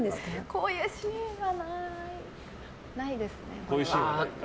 こういうシーンはないですね。